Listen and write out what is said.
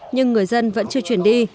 nhưng người dân vẫn chưa chuyển đi